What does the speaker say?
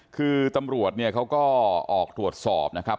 คือตำรวจเนี่ยเขาก็ออกตรวจสอบนะครับ